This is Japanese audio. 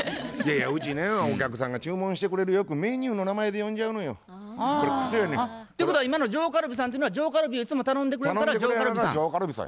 うちねお客さんが注文してくれるよくメニューの名前で呼んじゃうのよ。ということは今の上カルビさんっていうのは上カルビをいつも頼んでくれるから上カルビさん。